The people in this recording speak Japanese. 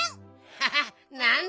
ハハッなんだ